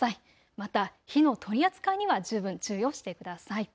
また火の取り扱いには十分注意をしてください。